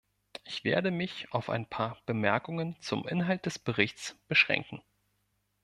Ich werde mich auf ein paar Bemerkungen zum Inhalt des Berichts beschränken.